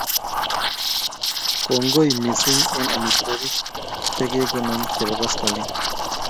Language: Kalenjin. kongoi mising eng' amitwagik che kee gona chebo koskoling